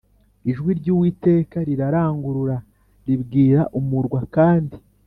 Ijwi ry Uwiteka rirangurura ribwira umurwa kandi